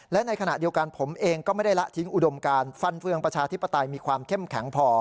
และในขณะเดียวกันผมเองก็ไม่ได้ละทิ้งอุดมการฟันเฟืองประชาธิปไตยมีความเข้มแข็งพอ